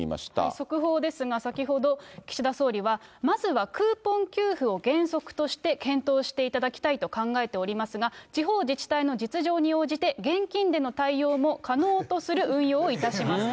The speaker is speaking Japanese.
速報ですが、先ほど、岸田総理は、まずはクーポン給付を原則として検討していただきたいと考えておりますが、地方自治体の実情に応じて、現金での対応も可能とする運用をいたしますと。